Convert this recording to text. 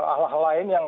ahlak lain yang